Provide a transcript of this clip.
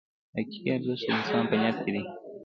حقیقي ارزښت د انسان په نیت کې دی.